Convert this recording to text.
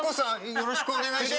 よろしくお願いします。